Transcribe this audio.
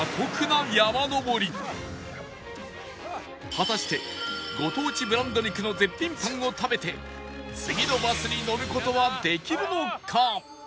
果たしてご当地ブランド肉の絶品パンを食べて次のバスに乗る事はできるのか？